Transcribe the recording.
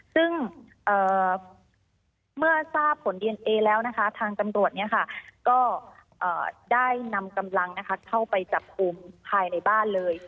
ซึ่งเมื่อทราบผลดีเอนเอแล้วนะคะทางตำรวจก็ได้นำกำลังเข้าไปจับกลุ่มภายในบ้านเลย